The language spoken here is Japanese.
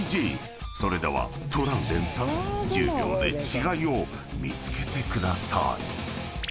［それではトラウデンさん１０秒で違いを見つけてください］